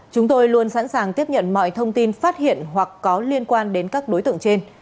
chúng tôi luôn sẵn sàng tiếp nhận mọi thông tin phát hiện hoặc có liên quan đến các đối tượng trên